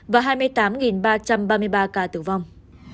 và hai mươi tám ba trăm ba mươi ba ca tử vong